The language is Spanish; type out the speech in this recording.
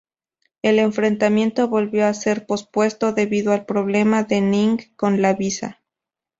El enfrentamiento volvió a ser pospuesto debido a problemas de Ning con la visa.